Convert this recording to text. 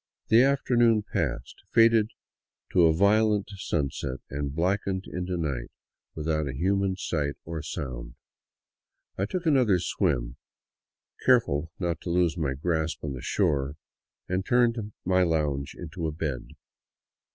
The afternoon passed, faded to a violent sunset, and blackened into night, without a human sight or sound. I took another swim, careful not to lose my grasp on the shore, and turned my lounge into a bed.